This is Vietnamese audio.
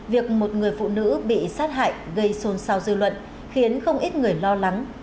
việc một người phụ nữ bị sát hại gây xôn xao dư luận khiến không ít người lo lắng